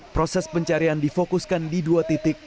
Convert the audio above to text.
proses pencarian difokuskan di dua titik